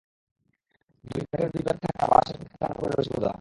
দুই ঘাটের দুই প্রান্তে থাকা বাঁশের খুঁটিতে টানটান করে রশি বাঁধা।